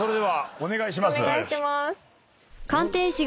お願いしまーす。